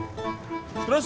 terus orangnya pergi lagi